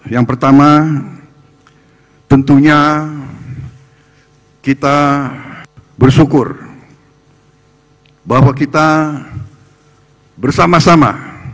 yang pertama tentunya kita bersyukur bahwa kita bersama sama